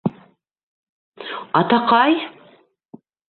Атаҡай!